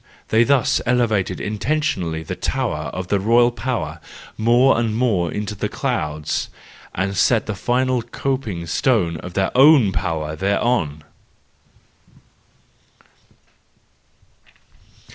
They thus elevated intentionally the tower of the royal power more and more into the clouds, and set the final coping stone of their own power thereon.